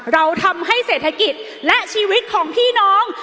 เราทำให้เศรษฐกิจและชีวิตของพี่น้อง